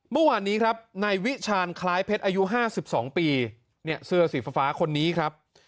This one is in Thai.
เมื่อวานนี้ครับในวิชาญคลายเพชรที่๕๒ปีเสือสีฟ้าคนนี้ครับ